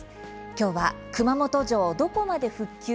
きょうは「熊本城どこまで復旧？